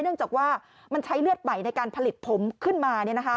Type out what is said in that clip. เนื่องจากว่ามันใช้เลือดใหม่ในการผลิตผมขึ้นมา